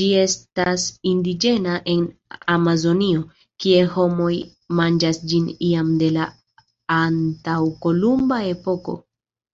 Ĝi estas indiĝena en Amazonio, kie homoj manĝas ĝin jam de la antaŭkolumba epoko.